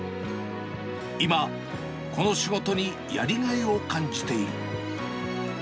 今、この仕事にやりがいを感じている。